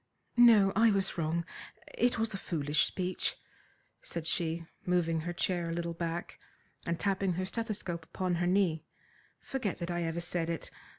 "No, I was wrong. It was a foolish speech," said she, moving her chair a little back, and tapping her stethoscope upon her knee. "Forget that I ever said it.